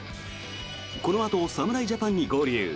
このあと侍ジャパンに合流。